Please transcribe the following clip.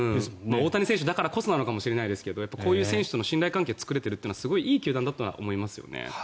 大谷選手だからこそなのかもしれないけど信頼関係を作れているのはすごいいい球団だと思いますよね。